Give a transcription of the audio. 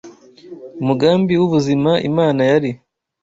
umugambi w’ubuzima Imana yari